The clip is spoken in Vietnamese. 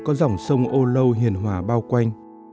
có dòng sông ô lâu hiền hòa bao quanh